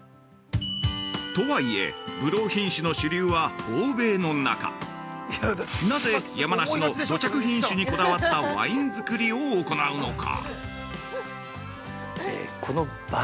◆とはいえ、ぶどう品種の主流は欧米の中なぜ山梨の土着品種にこだわったワインづくりを行うのか。